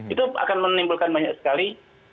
itu akan menimbulkan banyak sekali